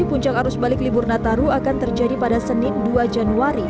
puncak arus balik libur nataru akan terjadi pada senin dua januari